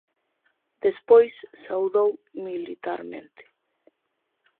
Despois saudou militarmente.